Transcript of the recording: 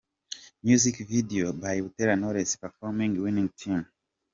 Music video by Butera Knowless performing Winning Team.